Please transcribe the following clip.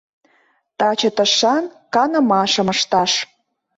Таче тышан канымашым ышташ.